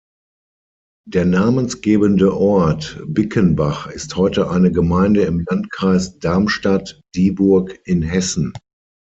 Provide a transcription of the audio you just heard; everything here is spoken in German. Der namensgebende Ort Bickenbach ist heute eine Gemeinde im Landkreis Darmstadt-Dieburg in Hessen.